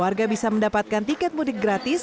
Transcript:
warga bisa mendapatkan tiket mudik gratis